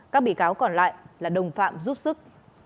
các bị cáo còn lại là đồng phạm giúp sức